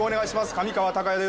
上川隆也です。